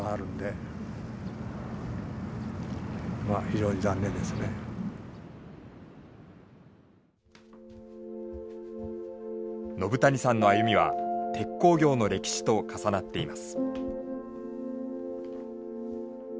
要するに延谷さんの歩みは鉄鋼業の歴史と重なっています。